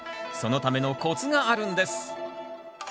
そのためのコツがあるんです。